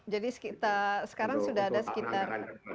jadi sekarang sudah ada sekitar